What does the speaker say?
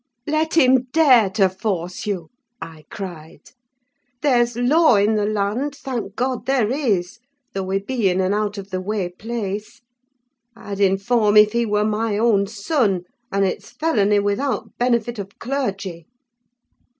"Let him dare to force you," I cried. "There's law in the land, thank God! there is; though we be in an out of the way place. I'd inform if he were my own son: and it's felony without benefit of clergy!"